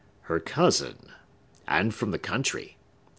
"Her cousin?—and from the country?